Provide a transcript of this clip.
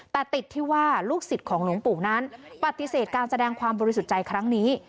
แต่ติดที่ว่าลูกศิษย์ของหลวงปู่นั้นปฏิเสธการแสดงความบริสุทธิ์ใจครั้งนี้